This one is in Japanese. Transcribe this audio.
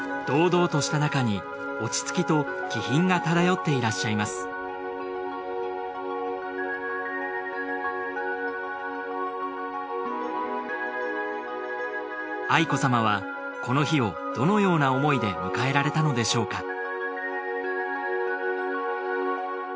堂々としたなかに落ち着きと気品が漂っていらっしゃいます愛子さまはこの日をどのような思いで迎えられたのでしょうか